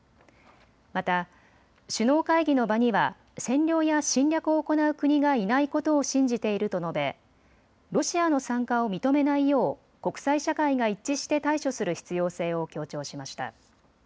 また首脳会議の場には占領や侵略を行う国がいないことを信じていると述べロシアの参加を認めないよう国際社会が一致して対処する必要性を強調しました。